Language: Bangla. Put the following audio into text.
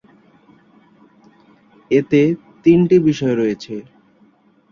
এতে তিনটি বিষয় রয়েছে।